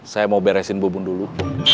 saya mau beresin bubun dulu